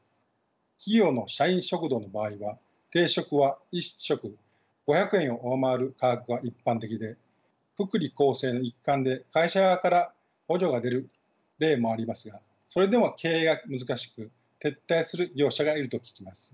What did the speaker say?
企業の社員食堂の場合は定食は１食５００円を上回る価格が一般的で福利厚生の一環で会社側から補助が出る例もありますがそれでも経営が難しく撤退する業者がいると聞きます。